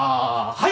はい。